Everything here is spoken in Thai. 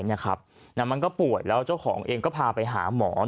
แต่มันก็ป่วยแล้วเจ้าของเองก็พาไปหาหมอ